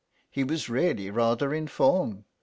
He was really rather in form.